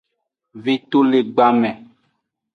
Vetolegbanme.